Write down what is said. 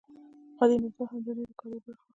قالین اوبدل هم د دوی د کار یوه برخه وه.